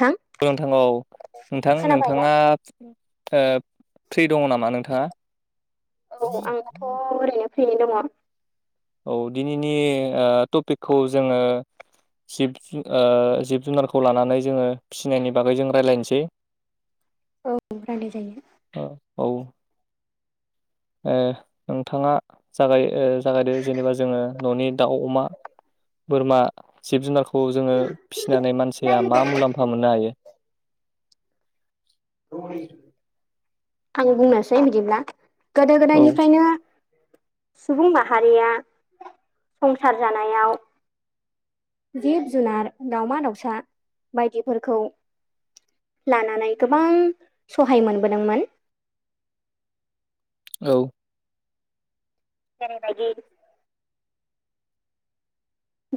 थां नोंथां औ नोंथां खोनाबायबा नोंथाङा फ्रि दङ नामा नोंथाङा? औ आंथ' ओरैनो फैनो दङ। औ दिनैनि टपिकखौ जोङो जिब जुन जिब जुनारखौ लानानै जोङो फिसिनायनि बागै जों रायज्लायनोसै औ रायलाय जायो। औ औ नोंथाङा जागाय जागायदो जेनेबा जोङो न'नि दाउ अमा बोरमा जिब जुनारखौ जोङो फिसिनानै मानसिया मा मुलाम्फा मोननो हायो। आं बुंनोसै बिदिब्ला गोदो औ गोदायनिफ्रायनो सुबुं माहारिया संसार जानायाव जिब जुनार दाावमा दाउसा बायदिफोरखौ लानानै गोबां सहाय मोनबोदोंमोन। औ [unintelligible]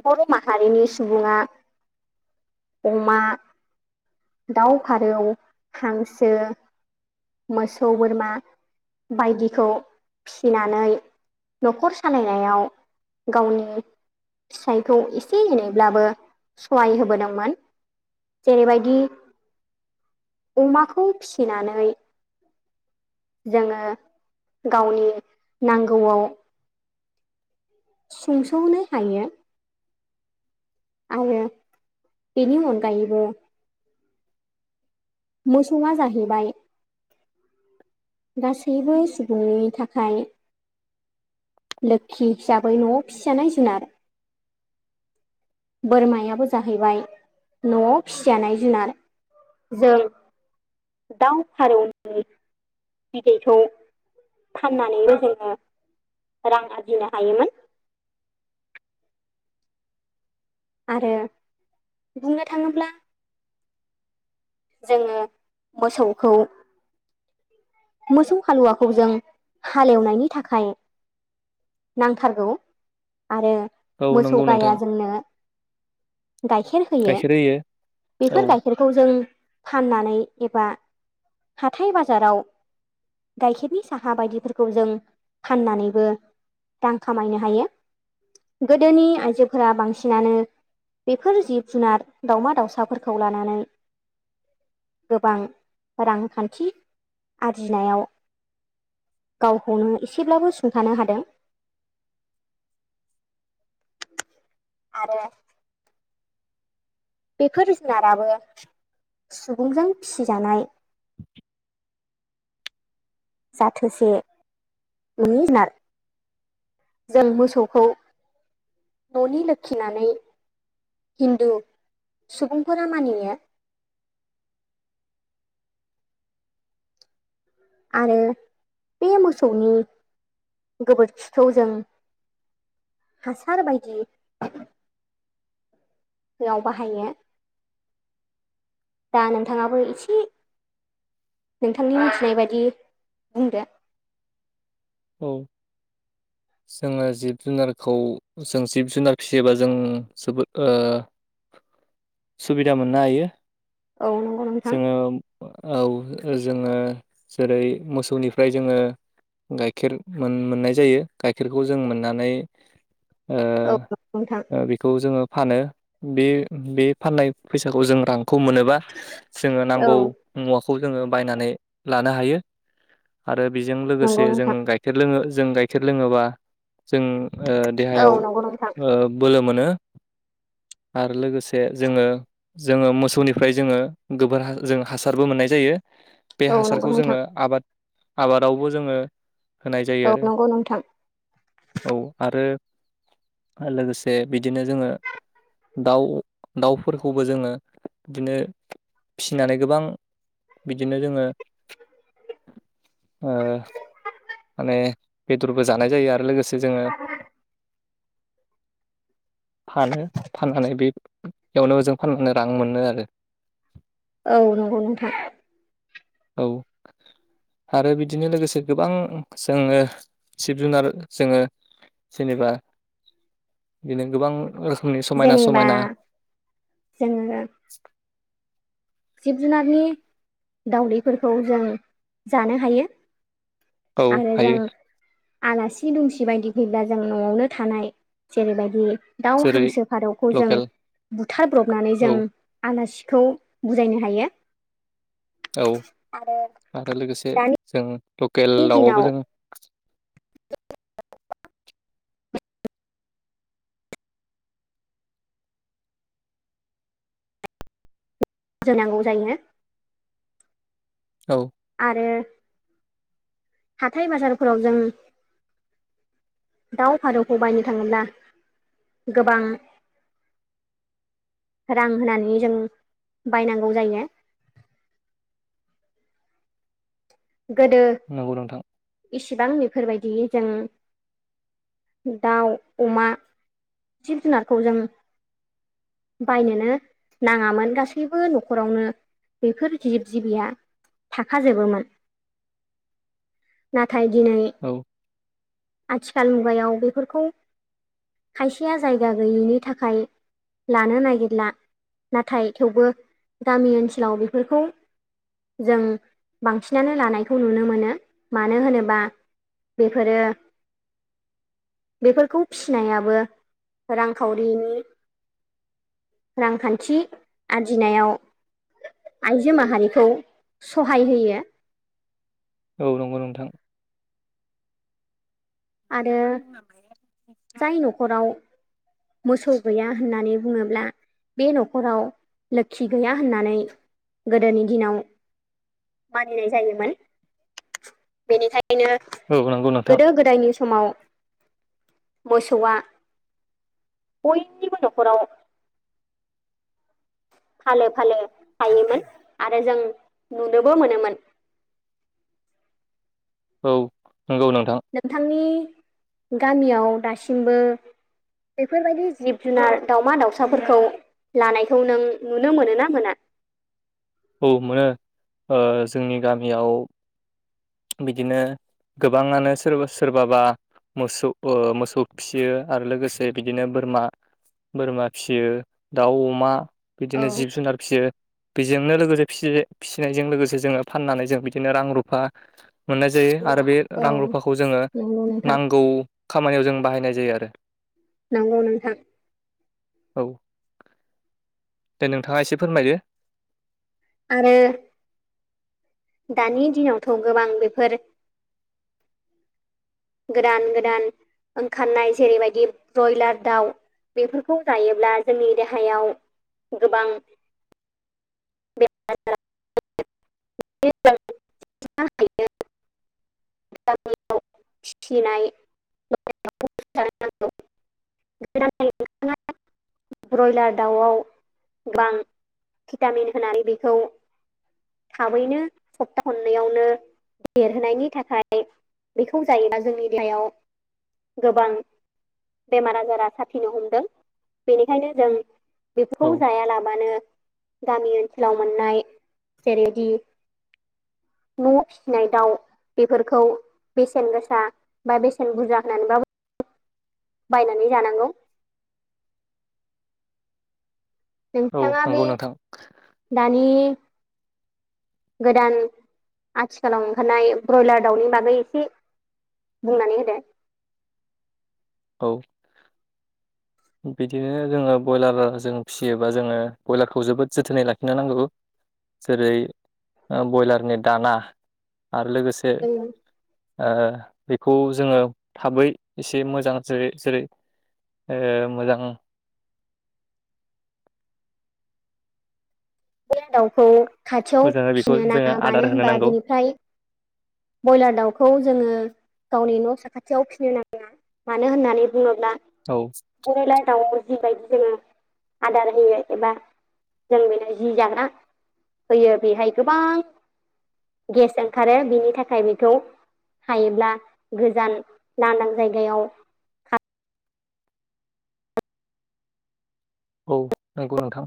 बर' माहारिनि सुबुङा अमा दाउ फारौ हांसो मोसौ बोरमा बायदिखौ फिसिनानै न'खर सालायनायाव गावनि फिसायखौ एसे एनैब्लाबो सहाय होबोदोंमोन। जेरैबायदि अमाखौ फिसिनानै जोङो गावनि नांगौआव सुंसौनो हायो। आरो बेनि अनगायैबो मोसौआ जाहैबाय गासैबो सुबुंनि थाखाय लोखि हिसाबै न'आव फिसिजानाय जुनार बोरमायाबो जाहैबाय न'आव फिसिजानाय जुनार जों दाव फारौनि बिदैखौ फाननानैबो जोङो रां आरजिनो हायोमोन। आरो बुंनो थाङोब्ला जोङो मोसौखौ मोसौ हालुवाखौ जों हालेवनायनि थाखाय नांथारगौ आरो औ मोसौ नंगौ नोंथां गाया जोंनो गाइखेर होयो औ बेफोर गाइखेरखौ जों फाननानै एबा हाथाय बाजाराव गाइखेरनि साहा बायदिफोरखौ जों फाननानैबो रां खामायनो हायो गोदोनि आइजोफोरा बांसिनानो बेफोर जिब जुनार दावमा दाावसाफोरखौ लानानै गोबां रांखान्थि आरजिनायाव गावखौनो एसेब्लाबो सुंथानो हादों। [inaudible] आरो बेफोर जुनाराबो सुबुंजों फिसिजानाय जाथोसे ननि जुनार जों मोसौखौ न'नि लोखिनानै हिन्दु सुबुंफोरा मानियो [inaudible] आरो बे मोसौनि गोबोरखिखौ जों हासार बायदि याव बाहायो दा नोंथाङाबो एसे नोंथांनि मिथिनाय बायदि बुंदो औ जोङो जिब जुनारखौ जों जिब जुनार फिसियोबा जों जोबोद सुबिदा मोननो हायो औ नंगौ नोंथां जोङो औ जोङो जेरै मोसौनिफ्राय जोङो गाइखेर मोननाय जायो गाइखेरखौ जों मोननानै औ नंगौ नोंथां बेखौ जोङो फानो बे बे फाननाय फैसाखौ जों रांखौ मोनोबा जोङो औ नांगौ मुवाखौ खौ जोङो बायनानै लानो हायो आरो बेजों लोगोसे नंगौ जों नोंथां गाइखेर लोङो जों गाइखेर लोङोबा जों औ देहायाव नंगौ नोंथां बोलो मोनो आरो लोगोसे जोङो जोङो मोसौनिफ्राय जोङो गोबोर जों हासारबो मोननाय जायो। बे औ नंगौ हासारखौ जोङो नोंथां आबाद आबादावबो जोङो होनाय जायो औ आरो नंगौ नोंथां औ आरो आरो लोगोसे बिदिनो जोङो दाउ दाउफोरखौबो जोङो बिदिनो फिसिनानै गोबां बिदिनो जोङो माने बेदरबो जानाय जायो आरो लोगोसे जोङो। फानो फाननानै बेयावनो जों फाननानै रां मोनो आरो। औ नंगौ नोंथां। औ। आरो बिदिनो लोगोसे गोबां जोङो जिब जुनार जोङो। जेनेबा बिनो गोबां। रोखोमनि समायना जेनेबा समायना। जोङो जिब जुनारनि दावदैफोरखौ जों जानो हायो। औ आरो जों हायो। आलासि दुमसि बायदि फैब्ला जों न'आवनो थानाय जेरैबायदि। दाउ जेरै हांसो फारौखौ जों लकेल बुथारब्रबनानै जों औ आलासिखौ। बुजायनो हायो। औ आरो आरो लोगोसे दानि जों लकेल दिनाव दावआवबो जोङ। फुजोनांगौ जायो। औ। आरो हाथाय बाजारफोराव जों। दाव फारौखौ बायनो थाङोब्ला गोबां। रां होनानै जों बायनांगौ जायो। गोदो नंगौ नोंथां। इसिबां बेफोरबायदि जों। दाउ अमा जिब जुनारखौ जों। बायनोनो नाङामोन गासैबो न'खरावनो। बेफोर जिब जिबिया थाखाजोबोमोन। नाथाय दिनै। औ आथिखाल मुगायाव बेफोरखौ खायसेया जायगा गैयैनि थाखाय। लानो नागिरला नाथाय थेवबो गामि ओनसोलाव बेफोरखौ। जों बांसिनानो। लखौ नुनो मोनो मानो होनोबा बेफोरो। बेफोरखौ फिनायाबो रांखावरिनि। रांखान्थि आरजिनायाव। आइजो माहारिखौ सहाय होयो। औ नंगौ नोंथां। आरो जाय न'खराव मोसौ गैया होननानै। बुङोब्ला बे न'खराव लोखि गैया होननानै। गोदोनि दिनाव। मानिनाय जायोमोन बेनिखायनो औ नंगौ नोंथां गोदो गोदायनि। समाव मोसौआ। बयनिबो न'खराव। फालो फालो थायोमोन आरो जों नुनोबो मोनोमोन। [inaudible] औ। नंगौ नोंथां नोंथांनि गामियाव दासिमबो। बेफोरबायदि जिब जुनार दाउमा दावउसाफोरखौ। लानायखौ नों नुनो मोनोना मोना? औ मोनो जोंनि गामियाव। बिदिनो गोबाङानो सोरबा सोरबाबा। मोसौ मोसौ फिसियो आरो लोगोसे बिदिनो बोरमा। बोरमा फिसियो दाउ अमा औ बिदिनो जिब जुनार फिसियो बेजों। नो लोगोसे फ-फिसिनायजों लोगोसे जोङो फाननानै जों बिदिनो रां रुफा। मोननाय जायो आरो बे औ रां रुफाखौ जोङो नंगौ नोंथां नांगौ। खामानियाव जों बाहायनाय जायो आरो नोंगौ नोंथां औ दे नोंथाङा एसे फोरमायदो आरो दानि दिनावथ' गोबां बेफोर गोदान गोदान ओंखारनाय जेरैबायदि ब्रयलार दाउ बेफोरखौ जायोब्ला जोंनि देहायाव गोबां बेमार आजार [unintelligible] [unintelligible] आव फिनाय [unintelligible] ब्रयलार दाउआव गोबां भिटामिन होनानै बेखौ थाबैनो सप्ता खननैयावनो देरहोनायनि थाखाय बेखौ जायोब्ला जोंनि देहायाव गोबां बेमार आजारा साफिनो हमदों बेनिखायनो जों बेफोरखौ औ जायालाबानो गामि ओनसोल फोराव मोननाय जेरैदि न'आव फिसिनाय दाउ बेफोरखौ बेसेन गोसा बा बेसेन बुरजा होननानैबाबो [inaudible] बायनानै जानांगौ औ नोंथाङा बे नंगौ नोंथां दानि [inaudible] गोदान आथिखालाव ओंखारनाय ब्रयलार दाउनि बागै एसे बुंनानै होदो औ बिदिनो जोङो ब्रयलार जों फिसियोबा जोङो ब्रयलारखौ जोबोद जोथोनै लाखिनो नांगौ जेरै ओ ब्रयलारनि दाना। आरो लोगोसे जों ओ बेखौ जोङो थाबै एसे मोजां जेरै जेरै ओ मोजां। बे दाउखौ खाथियाव मोजाङै बेखौ फिनो जोङो नाङा आदार मानो होनो होनबा नांगौ बिनिफ्राय ब्रयलार दाउखौ जोङो गावनि न' साखाथियाव फिसिनो नाङा मानो होननानै बुंङोब्ला औ ब्रइलार दावनो जि बायदि जोङो आदार होयो एबा जों बेनो जि जाग्रा होयो बेहाय गोबां गेस ओंखारो बिनि थाखाय बेखौ हायोब्ला गोजान लांदां जायगायाव औ नंगौ नोंथां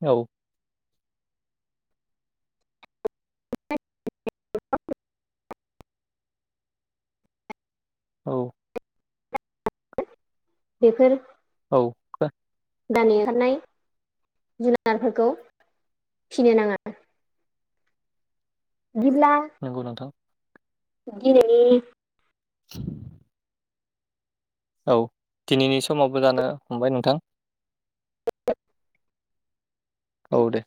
औ। [unintelligible] औ। बेफोर औ। दानि ओंखारनाय जुनारफोरखौ फिनो नाङा बिदिब्ला नंगौ नोंथां। दिनैनि [inaudible] औ दिनैनि समावबो जानो हमबाय नोंथां। औ दे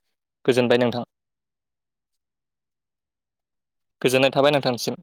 गोजोनबाय नोंथां। गोजोननाय थाबाय नोंथांसिम।